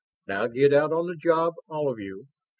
Now get out on the job, all of you.